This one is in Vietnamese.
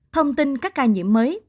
thông tin các ca nhiễm mới